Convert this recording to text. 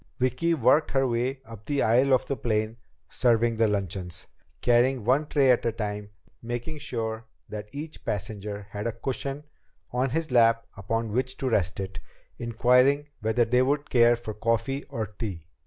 Vicki worked her way up the aisle of the plane serving the luncheons, carrying one tray at a time, making sure that each passenger had a cushion on his lap upon which to rest it, inquiring whether he would care for coffee or tea.